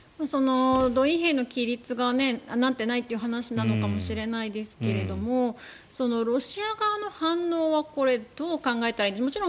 動員兵の規律がなってないという話なのかもしれませんがロシア側の反応は、これどう考えたらいいんでしょう。